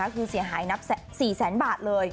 คือเสียหายนับ๔แสนบาทเลย